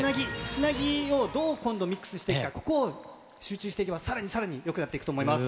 つなぎを、どう今度ミックスしていくか、ここを集中していけば、さらにさらによくなっていくと思います。